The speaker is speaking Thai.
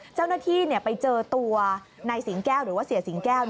เจ้าหน้าที่ไปเจอตัวนายสิงแก้วหรือว่าเสียสิงแก้ว